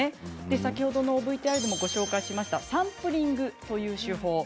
先ほどのＶＴＲでも紹介したサンプリングという手法